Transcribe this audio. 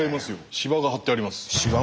芝がはってあります。